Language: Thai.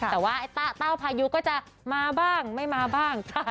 แต่ว่าไอ้เต้าพายุก็จะมาบ้างไม่มาบ้าง